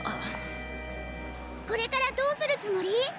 これからどうするつもり？